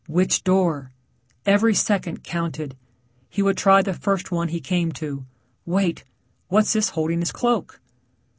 Which door? Every second counted; he would try the first one he came to. Wait what's this holding his cloak?